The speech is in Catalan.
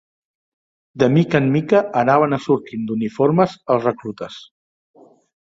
De mica en mica anaven assortint d'uniformes els reclutes